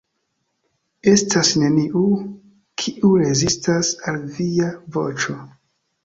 Estas neniu, kiu rezistas al Via voĉo.